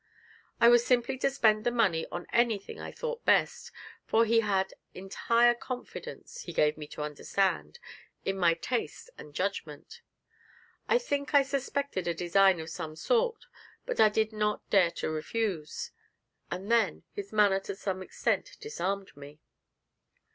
I was simply to spend the money on anything I thought best, for he had entire confidence, he gave me to understand, in my taste and judgment. I think I suspected a design of some sort, but I did not dare to refuse, and then his manner to some extent disarmed me.